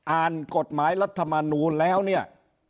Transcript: อ่านกฎหมายรัฐมนูลแล้วเนี่ย